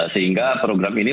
sehingga program ini